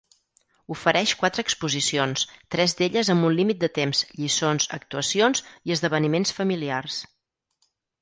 Ofereix quatre exposicions, tres d'elles amb un límit de temps, lliçons, actuacions i esdeveniments familiars.